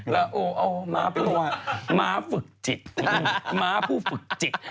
แล้วหนูมาแปลว่ามาฝึกจิตมาผู้ฝึกจิต